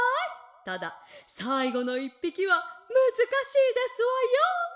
たださいごの１ぴきはむずかしいですわよ」。